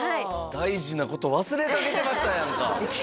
大事なこと忘れかけてましたやんか